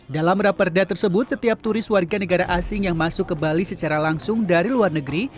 dalam raperda tersebut setiap turis warga negara asing yang masuk ke bali secara langsung dari luar negeri